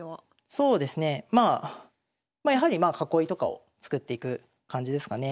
そうですねやはりまあ囲いとかを作っていく感じですかね。